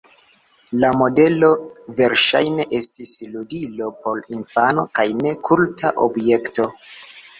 La modelo verŝajne estis ludilo por infano, kaj ne kulta objekto.